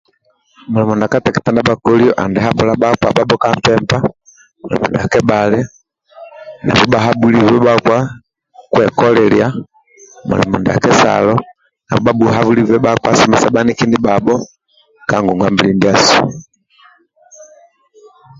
Mulimo ndia ka teketa ndia bhakolio andi habhula bhakpa bhabho Ka mpempa, mulimo ndia kebhali bhabhuhabhulibe bhakpa kwekoliliya, mulimo ndia kesalo bhabhuhabhulibe bhakpa somesa bhaniki ndibhabho ka ngongwa-mbili ndiasu